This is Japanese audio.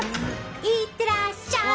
行ってらっしゃい！